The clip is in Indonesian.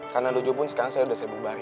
karena dojo pun sekarang saya udah bubari